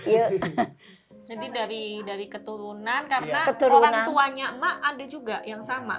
jadi dari keturunan karena orang tuanya mak ada juga yang sama